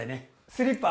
スリッパ